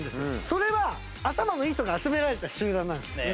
それは頭のいい人が集められた集団なんです。